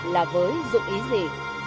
là với dụ ý gì